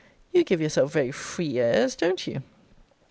You give yourself very free airs don't you?